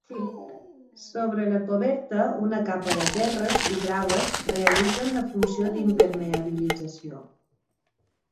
Sobre la coberta, una capa de terres i graves realitzen la funció d'impermeabilització.